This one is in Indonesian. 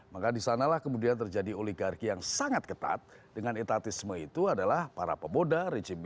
maka disanalah kemudian terjadi oligarki yang sangat ketat dengan etatisme itu adalah para pemuda rcb